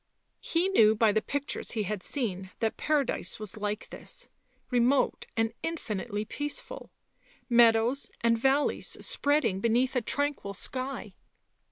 He knew by the pictures he had seen that Paradise was like this, remote and infinitely peaceful. Meadows and valleys spreading beneath a tranquil sky